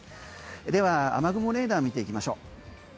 では、雨雲レーダーを見ていきましょう。